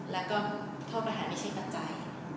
แล้วก็โทษประหารไม่ใช่ปัจจัย